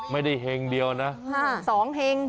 ไม่ได้แห่งเดียวนะสองแห่ง